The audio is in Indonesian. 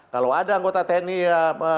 kalau ada anggota tni ya